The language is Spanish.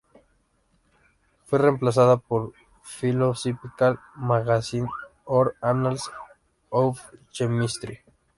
Fue reemplazada por "Philosophical Magazine, or Annals of Chemistry"´.